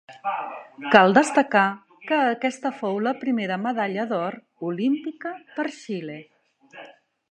Cal destacar que aquesta fou la primera medalla d'or olímpica per Xile.